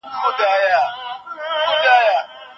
که موږ سره یو شو نو هیڅوک مو نه شي ماتولی.